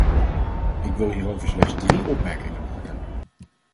Ik wil hierover slechts drie opmerkingen maken.